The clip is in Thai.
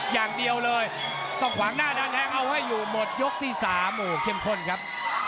อย่างเดียวเลยต้องขวางหน้าเดินแทงเอาไว้อยู่หมดยกที่๓โอ้โหเข้มข้นครับ